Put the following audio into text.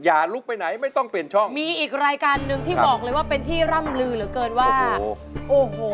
อย่าลุกไปไหนไม่ต้องเปลี่ยนช่องมีอีกรายการหนึ่งที่บอกเลยว่าเป็นที่ร่ำลือเหลือเกินว่าโอ้โห